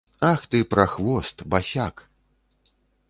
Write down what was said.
Ах ты, прахвост, басяк.